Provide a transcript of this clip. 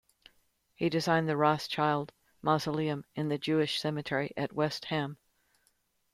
He designed the Rothschild Mausoleum in the Jewish Cemetery at West Ham.